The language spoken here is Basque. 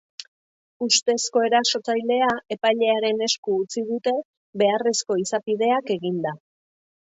Ustezko erasotzailea epailearen esku utzi dute beharrezko izapideak eginda.